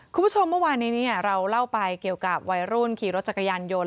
คุณผู้ชมเมื่อวานนี้เราเล่าไปเกี่ยวกับวัยรุ่นขี่รถจักรยานยนต์